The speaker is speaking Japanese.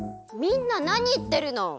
みんななにいってるの！